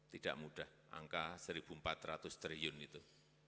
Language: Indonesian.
tidak mudah angka rp satu empat ratus triliun itu